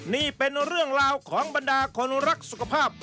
นี่เป็นเรื่องราวของบรรดาคนรักสุขภาพ